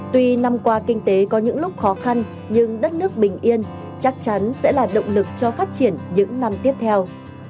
tuy năm qua kinh tế có những lúc khó khăn nhưng đất nước bình yên chắc chắn sẽ là động lực cho phát triển những năm tiếp theo